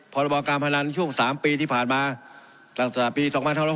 พรบการพนันช่วง๓ปีที่ผ่านมาตั้งแต่ปี๒๕๖๐